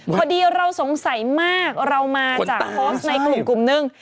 พอดีเราสงสัยมากเรามาจากฮอสในกลุ่มนึง